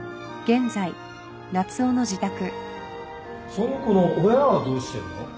その子の親はどうしてるの？